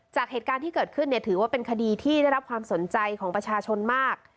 จากเหตุการณ์ที่เกิดขึ้นถือว่าเป็นคดีที่ได้รับความสนใจของประชาชนมาก